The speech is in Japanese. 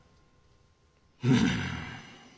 うん。